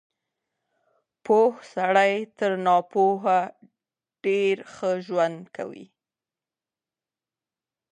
پوه سړی تر ناپوهه ډېر ښه ژوند کوي.